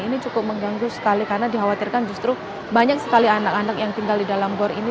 ini cukup mengganggu sekali karena dikhawatirkan justru banyak sekali anak anak yang tinggal di dalam gor ini